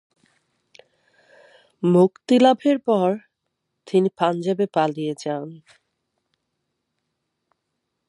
মুক্তি লাভের পর তিনি পাঞ্জাবে পালিয়ে যান।